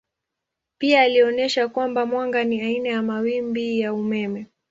Pia alionyesha kwamba mwanga ni aina ya mawimbi ya umeme.